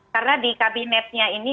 karena di kabinetnya ini